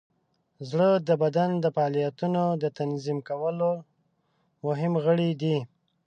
زړه د بدن د فعالیتونو د تنظیم کولو مهم غړی دی.